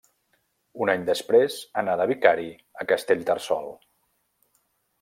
Un any després anà de vicari a Castellterçol.